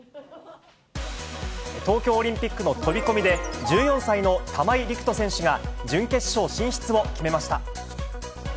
東京オリンピックの飛び込みで、１４歳の玉井陸斗選手が準決勝進出を決めました。